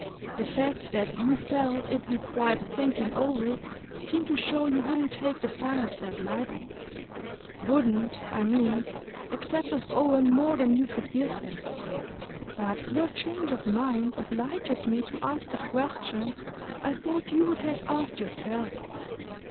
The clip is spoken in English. The fact that you felt it required thinking over seemed to show you wouldn't take the final step lightly wouldn't, I mean, accept of Owen more than you could give him. But your change of mind obliges me to ask the question I thought you would have asked yourself.